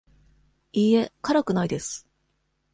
いいえ、辛くないです。